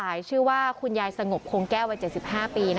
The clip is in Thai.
ชื่อว่าคุณยายสงบคงแก้ววัย๗๕ปี